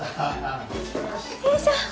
よいしょ。